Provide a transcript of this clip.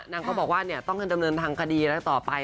นางก็บอกว่าเนี่ยต้องกันดำเนินทางคดีและต่อไป